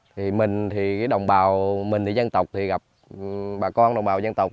thì mình thì đồng bào mình thì dân tộc thì gặp bà con đồng bào dân tộc